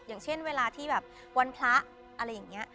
อย่างเช่นเวลาที่แบบวันพระอะไรอย่างนี้